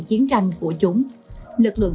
chiến tranh của chúng lực lượng